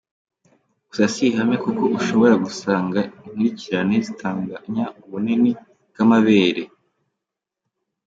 Gusa si ihame kuko ushobora gusanga inkurikirane zitanganya ubunini bw’amabere.